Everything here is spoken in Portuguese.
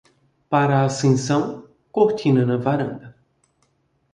Para a ascensão, cortina na varanda.